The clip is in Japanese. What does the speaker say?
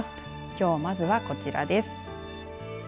きょう、まずは、こちらです。